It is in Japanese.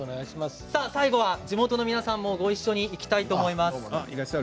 最後は地元の皆さんもごいっしょにいきたいと思います。